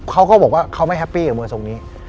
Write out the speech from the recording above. เขาก็บอกว่าเขาไม่แฮปปี้กับเมืองทรงนี้